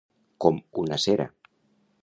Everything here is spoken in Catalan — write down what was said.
Com una cera.